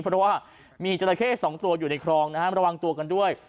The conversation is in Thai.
เพราะว่ามีจราเข้สองตัวอยู่ในคลองนะฮะระวังตัวกันด้วย